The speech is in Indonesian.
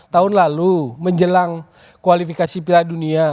tahun lalu menjelang kualifikasi piala dunia